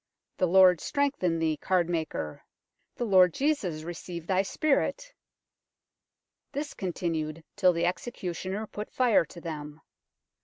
The Lord strengthen thee, Cardmaker ; the Lord Jesus receive thy spirit !' This continued till the executioner put fire to them.